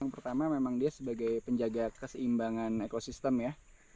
yang pertama memang dia sebagai penjaga keseimbangan ekosistem ya